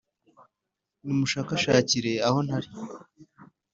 «nimunshakashakire aho ntari !»